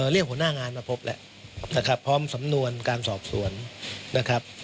เรียกหัวหน้างานมาพบแล้วนะครับพร้อมสำนวนการสอบสวนนะครับ